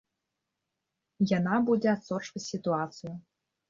Яна будзе адсочваць сітуацыю.